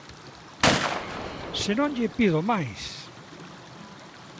¡Se non lle pido máis!